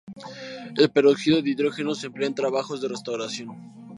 El peróxido de hidrógeno se emplea en trabajos de restauración.